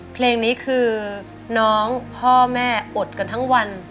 เพลงนี้คือน้องพ่อแม่อดกันทั้งวัน